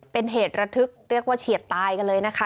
เป็นเหตุระทึกเรียกว่าเฉียดตายกันเลยนะคะ